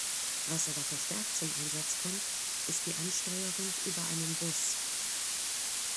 Was aber verstärkt zum Einsatz kommt, ist die Ansteuerung über einen Bus.